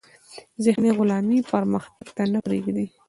ذهني غلامي پرمختګ ته نه پریږدي.